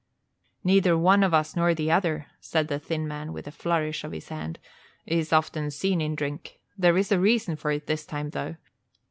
"Neither one of us nor the other," said the thin man, with a flourish of his hand, "is often seen in drink. There is a reason for it this time, though.